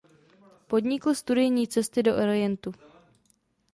Podnikl studijní cesty do Orientu.